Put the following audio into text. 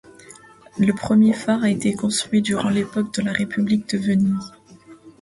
Le premier phare a été construit durant l'époque de la République de Venise.